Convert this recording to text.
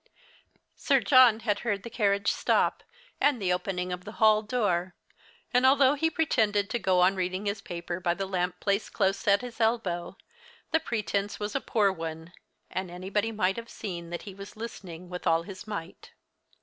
Sir John had heard the carriage stop, and the opening of the hall door; and although he pretended to go on reading his paper by the lamp placed close at his elbow, the pretense was a poor one, and anybody might have seen that he was listening with all his might.